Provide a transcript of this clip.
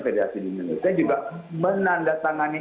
federasi di indonesia juga menandatangani